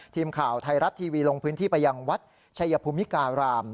ทีมข่าวไทรัตร์ทีวีลงพื้นที่ประยังวัดชายพุมิการาม